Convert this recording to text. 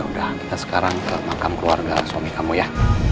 udah kita sekarang ke makam keluarga suami kamu ya